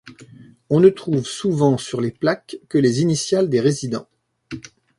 On ne trouve souvent sur les plaques que les initiales des résidants.